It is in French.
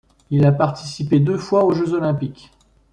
Il a participé deux fois aux Jeux olympiques.